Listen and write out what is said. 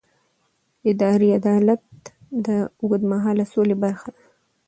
اداري عدالت د اوږدمهاله سولې برخه ده